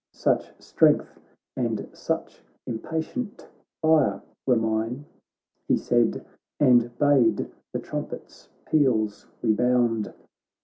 Such strength and such impatient fire were mine.' He said, and bade the trumpet's peals rebound.